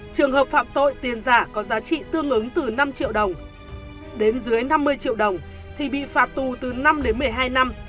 trường hợp phạm tội tiền giả có giá trị tương ứng từ năm triệu đồng đến dưới năm mươi triệu đồng thì bị phạt tù từ năm đến một mươi hai năm